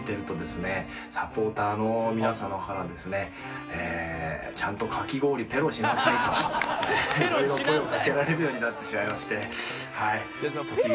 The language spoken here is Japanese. サポーターの皆様からですね「ちゃんとかき氷ペロしなさい」と色々声をかけられるようになってしまいまして。